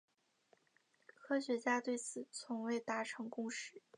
科学家对此从未达成共识。